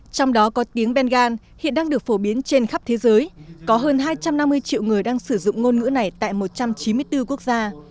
trong đó có tiếng bengal hiện đang được phổ biến trên khắp thế giới có hơn hai trăm năm mươi triệu người đang sử dụng ngôn ngữ này tại một trăm chín mươi bốn quốc gia